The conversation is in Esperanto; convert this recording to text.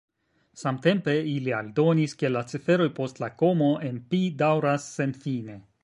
Samtempe, ili aldonis, ke la ciferoj post la komo en pi daŭras senfine.